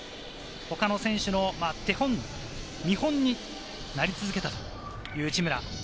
他の選手の手本、見本になり続けたという内村。